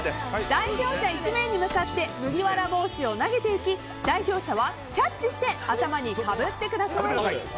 代表者１名に向かって麦わら帽子を投げていき代表者はキャッチして頭にかぶってください。